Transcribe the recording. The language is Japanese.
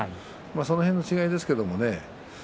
その辺の違いですけどね。